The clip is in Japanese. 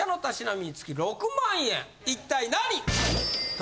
一体何？